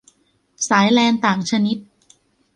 สายแลนต่างชนิด